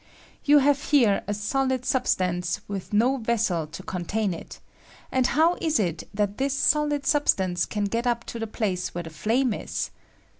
You have here a solid substance with no vessel to contain it; and how ia it that this solid substance can get up to the place where the flame is